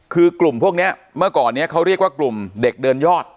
คือกลุ่มพวกนี้เมื่อก่อนนี้เขาเรียกว่ากลุ่มเด็กเดินยอด